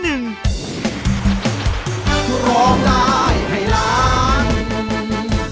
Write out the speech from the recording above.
ร้องได้ให้ล้าง